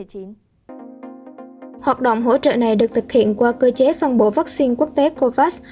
hoạt động hỗ trợ này được thực hiện qua cơ chế phân bổ vaccine quốc tế covax